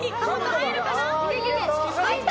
入った！